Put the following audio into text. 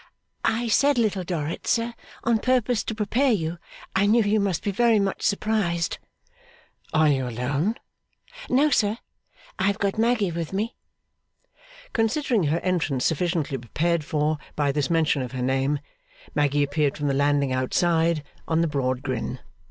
'I said Little Dorrit, sir, on purpose to prepare you. I knew you must be very much surprised.' 'Are you alone?' 'No sir, I have got Maggy with me.' Considering her entrance sufficiently prepared for by this mention of her name, Maggy appeared from the landing outside, on the broad grin.